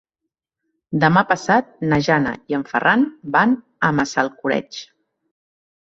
Demà passat na Jana i en Ferran van a Massalcoreig.